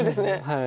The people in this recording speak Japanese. はい。